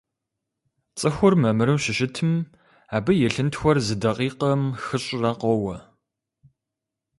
ЦӀыхур мамыру щыщытым абы и лъынтхуэр зы дакъикъэм хыщӀрэ къоуэ.